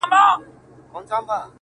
خوږ دی مرگی چا ويل د ژوند ورور نه دی!